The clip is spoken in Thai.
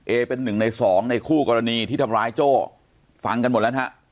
เอเป็นหนึ่งในสองในคู่กรณีที่ทำร้ายโจ้ฟังกันหมดแล้วนะฮะ